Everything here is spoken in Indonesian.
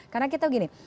karena kita begini